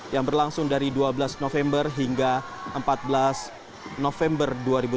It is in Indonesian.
yang berlangsung dari dua belas november hingga empat belas november dua ribu tujuh belas